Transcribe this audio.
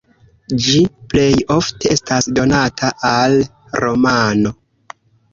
Ĝi plej ofte estas donata al romano.